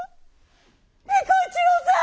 彦一郎さん！